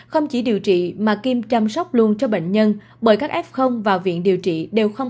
không chỉ điều trị mà kim chăm sóc luôn cho bệnh nhân bởi các f vào viện điều trị đều không